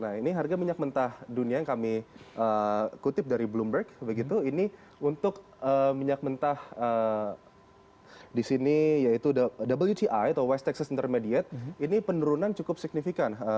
nah ini harga minyak mentah dunia yang kami kutip dari bloomberg begitu ini untuk minyak mentah di sini yaitu wti atau west texas intermediate ini penurunan cukup signifikan